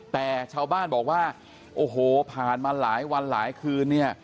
แต่ชาวบ้านบอกว่าโอ้โหผ่านมาหลายวันหลายคืนเนี่ย